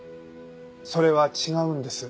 それは違うんです。